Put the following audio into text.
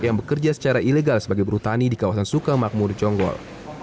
yang bekerja secara ilegal sebagai buru tani di kawasan sukamakmur jonggol